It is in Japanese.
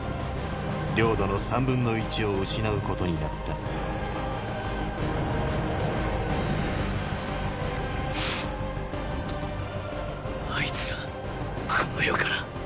領土の３分の１を失うことになったあいつらこの世から。